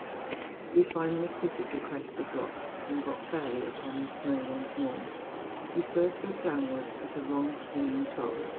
We finally quitted the crest of rocks, and got fairly upon the snow once more. We first went downwards at a long swinging trot.